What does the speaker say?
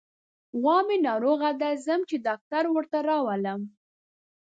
غوا مې ناروغه ده، ځم چې ډاکټر ورته راولم.